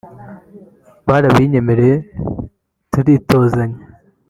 Barabinyemereye turitozanya